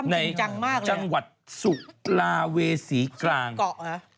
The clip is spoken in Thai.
นะฮะในจังหวัดสุราเวสีกลางถ้ำจริงจังมากเลย